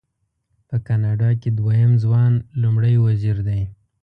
په کاناډا کې دویم ځوان لومړی وزیر دی.